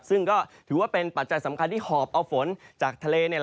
ซึ่งก็ถือว่าเป็นปัจจัยสำคัญที่หอบเอาฝนจากทะเล